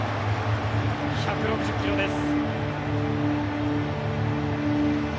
１６０ｋｍです。